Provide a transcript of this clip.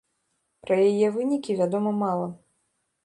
Пра яе вынікі вядома мала.